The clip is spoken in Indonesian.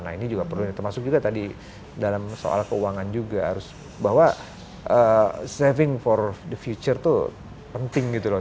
nah ini juga perlu termasuk juga tadi dalam soal keuangan juga harus bahwa saving for the future itu penting gitu loh